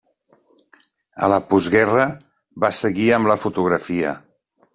A la postguerra va seguir amb la fotografia.